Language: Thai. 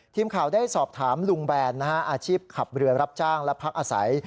ทีมข่าวได้สอบถามลุงแบนอาชีพขับเรือรับจ้างและพักอาศัย